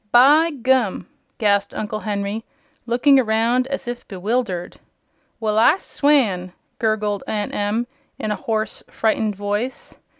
"By gum!" gasped Uncle Henry, looking around as if bewildered. "Well, I swan!" gurgled Aunt Em in a hoarse, frightened voice.